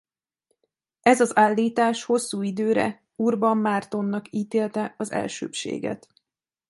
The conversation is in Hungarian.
Ez az állítás hosszú időre Urban Mártonnak ítélte az elsőbbséget.